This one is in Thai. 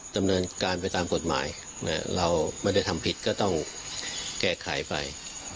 ดำเนินการไปตามกฎหมายเราไม่ได้ทำผิดก็ต้องแก้ไขไป